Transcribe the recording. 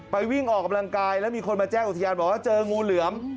วิ่งออกกำลังกายแล้วมีคนมาแจ้งอุทยานบอกว่าเจองูเหลือม